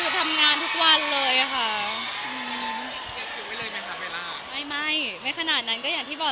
ทำงานทุกวันเลยค่ะเวลาไม่ไม่ขนาดนั้นก็อย่างที่บอก